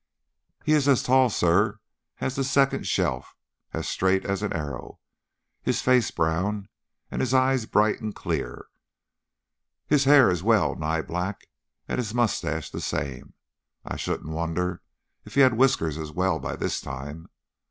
He is as tall, sir, as the second shelf, as straight as an arrow, his face brown, and his eyes bright and clear. His hair is well nigh black, and his moustache the same I shouldn't wonder if he had whiskers as well by this time.